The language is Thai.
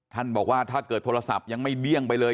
ท่านบอกว่าถ้าเกิดโทรศัพท์ยังไม่เดี้ยงไปเลย